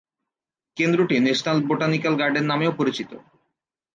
কেন্দ্রটি national botanical garden নামেও পরিচিত।